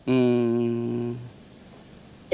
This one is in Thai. อืม